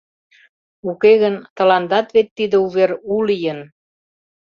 Уке гын, тыландат вет тиде увер у лийын.